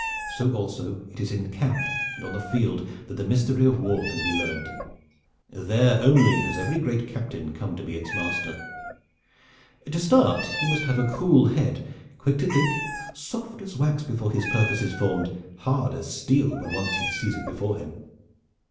"So also it is in camp and on the field that the mystery of war can be learned. There only has every great captain come to be its master. To start he must have a cool head, quick to think, soft as wax before his purpose is formed, hard as steel when once he sees it before him.